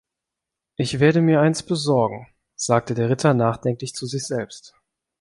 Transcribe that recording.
„Ich werde mir eins besorgen“, sagte der Ritter nachdenklich zu sich selbst.